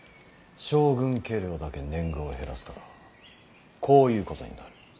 将軍家領だけ年貢を減らすからこういうことになる。